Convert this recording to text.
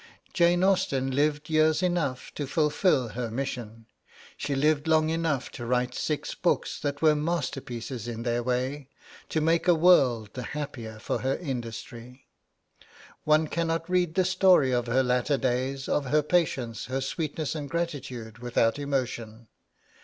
Jane Austen lived years enough to fulfil her mission. She lived long enough to write six books that were masterpieces in their way to make a world the happier for her industry. One cannot read the story of her latter days, of her patience, her sweetness, and gratitude, without emotion.